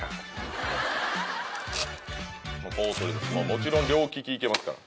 もちろん両利きいけますから。